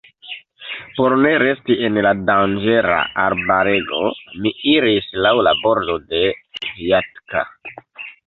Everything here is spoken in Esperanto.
Por ne resti en la danĝera arbarego, mi iris laŭ la bordo de Vjatka.